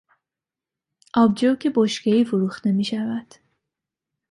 آبجو که بشکهای فروخته میشود.